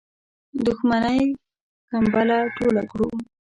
دښمنی کمبله ټوله کړو.